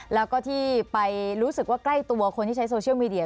แล้วก็ที่ไปรู้สึกว่าใกล้ตัวคนที่ใช้โซเชียลมีเดีย